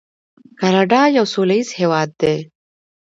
کاناډا یو سوله ییز هیواد دی.